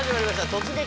「突撃！